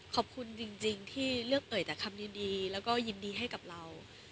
ขอบคุณจริงที่เลือกเอ่ยแต่คำยินดีแล้วก็ยินดีให้กับเรา